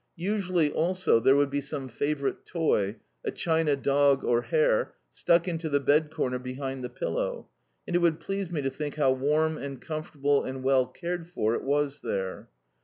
Usually, also, there would be some favourite toy a china dog or hare stuck into the bed corner behind the pillow, and it would please me to think how warm and comfortable and well cared for it was there.